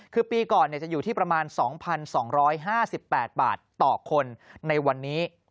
คือปีก่อนจะอยู่ที่ประมาณ๒๒๕๘บาทต่อคนในวันนี้